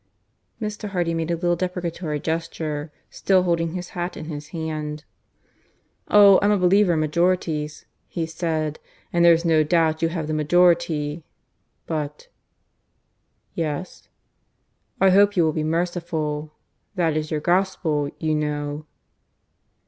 Mr. Hardy made a little deprecatory gesture, still holding his hat in his hand. "Oh! I'm a believer in majorities," he said. "And there's no doubt you have the majority. But " "Yes?" "I hope you will be merciful. That is your Gospel, you know."